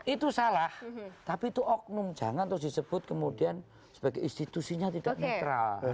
itu salah tapi itu oknum jangan terus disebut kemudian sebagai institusinya tidak netral